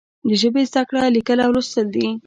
د ژبې زده کړه لیکل او لوستل دي.